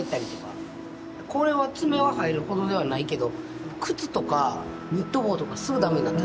これは爪は入るほどではないけど靴とかニット帽とかすぐ駄目になった。